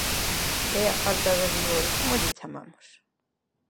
E á falta de rigor ¿como lle chamamos?